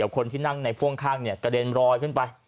คนที่นั่งในพ่วงข้างกระเด็นรอยขึ้นไป